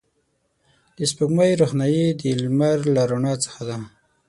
د سپوږمۍ روښنایي د لمر له رڼا څخه ده